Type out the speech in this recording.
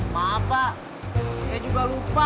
maaf pak saya juga lupa